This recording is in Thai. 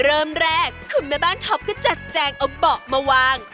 เริ่มแรกคุณแม่บ้านท็อปก็จัดแจงเอาเบาะมาวาง